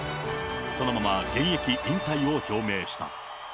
そのまま現役引退を表明した。